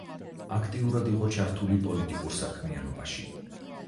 აქტიურად იყო ჩართული პოლიტიკურ საქმიანობაში.